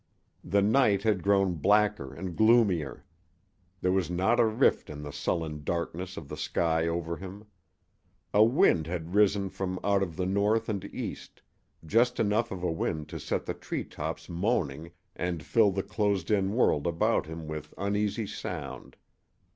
The night had grown blacker and gloomier. There was not a rift in the sullen darkness of the sky over him. A wind had risen from out of the north and east, just enough of a wind to set the tree tops moaning and fill the closed in world about him with uneasy sound.